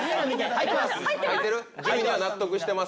入ってます。